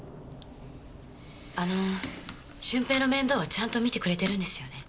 あの駿平の面倒はちゃんと見てくれてるんですよね？